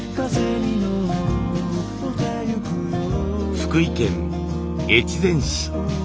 福井県越前市。